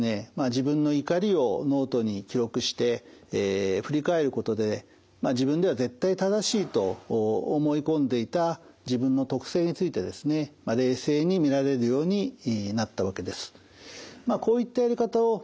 自分の怒りをノートに記録して振り返ることで自分では絶対正しいと思い込んでいた自分の特性について冷静に見られるようになったわけです。